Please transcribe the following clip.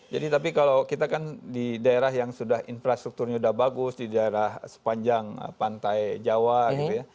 jadi kalau kita kan di daerah yang sudah infrastrukturnya sudah bagus di daerah sepanjang pantai jawa gitu ya